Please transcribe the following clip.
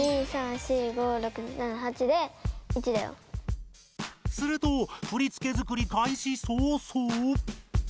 すると振付づくり開始早々。